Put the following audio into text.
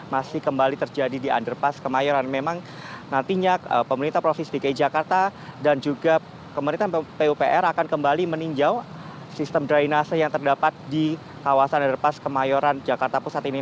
masih kembali terjadi di underpass kemayoran memang nantinya pemerintah provinsi dki jakarta dan juga pemerintah pupr akan kembali meninjau sistem drainase yang terdapat di kawasan underpass kemayoran jakarta pusat ini